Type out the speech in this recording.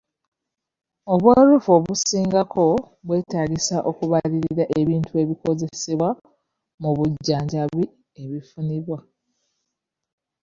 Obwerufu obusingako bwetaagisa okubalirira ebintu ebikozesebwa mu bujjanjabi ebifunibwa.